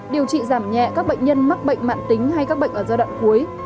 điều trị giảm nhẹ các bệnh nhân mắc bệnh mạng tính hay các bệnh ở giai đoạn cuối